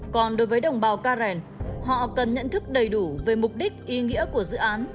còn đối với đồng bào ca rèn họ cần nhận thức đầy đủ về mục đích ý nghĩa của dự án